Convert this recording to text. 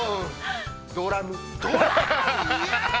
◆ドラム。